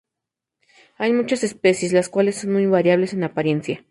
Hay muchas especies, las cuales son muy variables en apariencia.